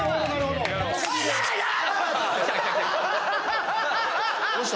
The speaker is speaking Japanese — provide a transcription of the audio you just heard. どうした？